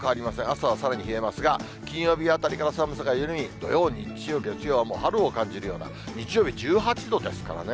朝はさらに冷えますが、金曜日あたりから寒さが緩み、土曜、日曜、月曜はもう春を感じるような、日曜日１８度ですからね。